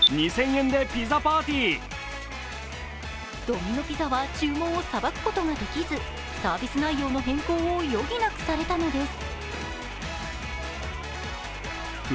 ドミノ・ピザは注文をさばくことができずサービス内容の変更を余儀なくされたのです。